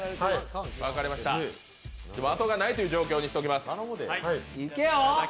あとがないという状況にしておきます。